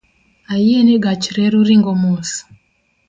Ayie ni gach reru ringo mos